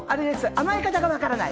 甘え方がわからない。